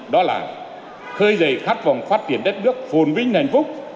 đó là khơi dậy khát vọng phát triển đất nước phồn vinh hạnh phúc